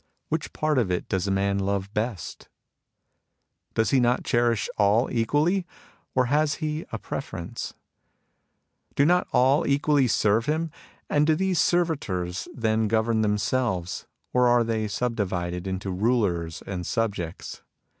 Which part of it does a man love best ? Does he not cherish all equally, or has he a preference ? Do not all equally serve him ? And do these servitors then govern themselves, or are they subdivided into rulers "and subjects